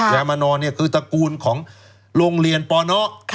มานอนเนี่ยคือตระกูลของโรงเรียนปน